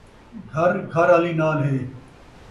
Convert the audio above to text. گھر ، گھر آلی نال ہے